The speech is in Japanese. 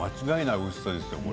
おいしさですよ。